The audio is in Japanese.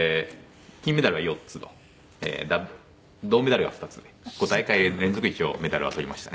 金メダルが４つと銅メダルが２つで５大会連続一応メダルはとりましたね。